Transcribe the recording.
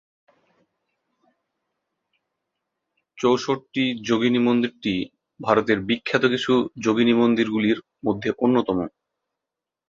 চৌষট্টি যোগিনী মন্দিরটি ভারতের বিখ্যাত কিছু যোগিনী মন্দির গুলির মধ্যে অন্যতম।